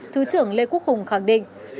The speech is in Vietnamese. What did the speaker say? thứ trưởng lê quốc hùng khẳng định